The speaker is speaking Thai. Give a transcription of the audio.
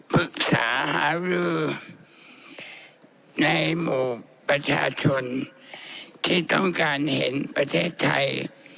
ปรึกษาหารือในหมู่ประชาชนที่ต้องการเห็นประเทศไทย